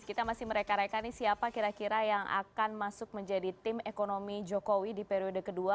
kita masih mereka rekan nih siapa kira kira yang akan masuk menjadi tim ekonomi jokowi di periode kedua